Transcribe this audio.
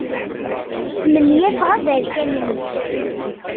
Smenyafeɣ aberkan-nni.